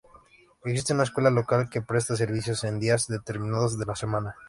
Existe una escuela local que presta servicios en días determinados de la semana.